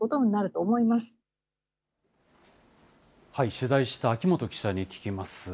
取材した秋元記者に聞きます。